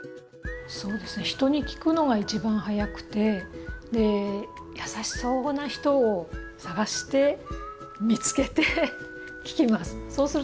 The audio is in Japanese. そうですね人に聞くのが一番早くて優しそうな人を探して見つけて聞きます。